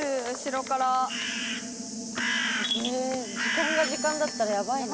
え時間が時間だったらヤバいな。